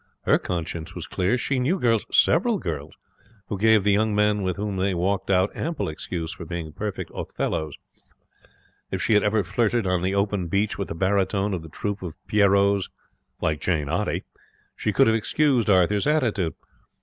Her conscience was clear. She knew girls several girls who gave the young men with whom they walked out ample excuse for being perfect Othellos. If she had ever flirted on the open beach with the baritone of the troupe of pierrots, like Jane Oddy, she could have excused Arthur's attitude.